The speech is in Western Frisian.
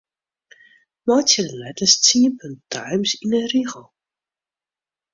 Meitsje de letters tsien punten Times yn 'e rigel.